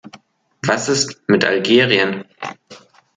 Was ist mit Algerien?